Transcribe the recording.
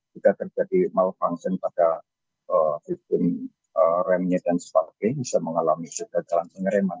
jika terjadi malfunction pada vipbun remnya dan sebagainya bisa mengalami juga jalan pengereman